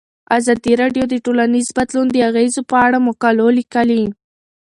ازادي راډیو د ټولنیز بدلون د اغیزو په اړه مقالو لیکلي.